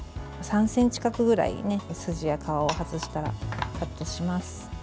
３ｃｍ角ぐらい筋や皮を外してカットします。